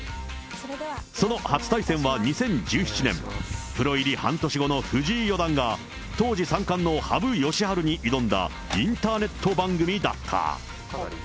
その初対戦は２０１７年、プロ入り半年後の藤井四段が当時三冠の羽生善治に挑んだ、インターネット番組だった。